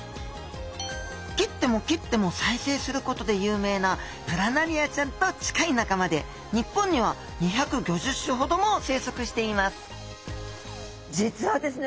切っても切っても再生することで有名なプラナリアちゃんと近い仲間で日本には２５０種ほども生息しています実はですね